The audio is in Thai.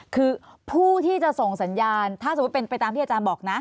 คือผู้ที่จะส่งสัญญาณถ้าสมมุติเป็นไปตามที่อาจารย์บอกนะ